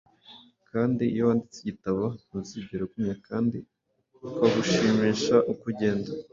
kandi iyo wanditse igitabo ntuzigera ugumya kandi ukagushimisha uko ugenda. ”